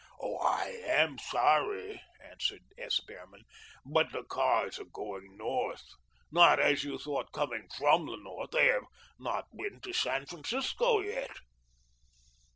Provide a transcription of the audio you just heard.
"I am sorry," answered S. Behrman, "but the cars are going north, not, as you thought, coming FROM the north. They have not been to San Francisco yet."